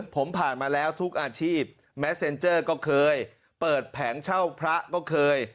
ผมผ่านมาแล้วทุกอาชีพแม้เซ็นเจอร์ก็เคยเปิดแผงเช่าพระก็เคย